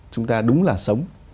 chúng ta đúng là sống